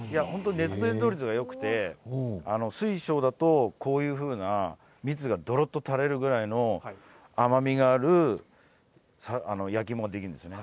熱伝導率がよくて水晶だとこういう蜜がとろっと垂れるぐらいの甘みがある焼き芋ができるんですよね。